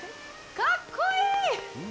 かっこいい！